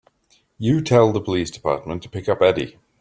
You tell the police department to pick up Eddie.